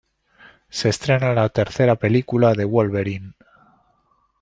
Se estrena la tercera película de Wolverine.